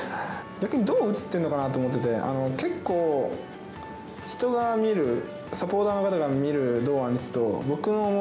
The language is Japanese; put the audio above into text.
逆にどう映っているのかなと思っていて、結構、人が見る、サポーターの方が見る堂安律と僕の思う